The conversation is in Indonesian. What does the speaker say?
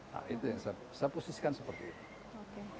nah itu yang saya posisikan seperti itu